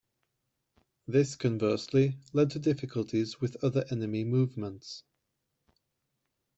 This conversely led to difficulties with other enemy movements.